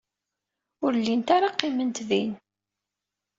Ur llint ara qqiment din.